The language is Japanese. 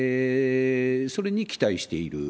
それに期待している。